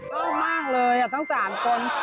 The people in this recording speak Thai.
ชอบมากเลยทั้ง๓คน